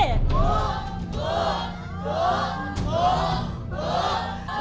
หัวหัวหัว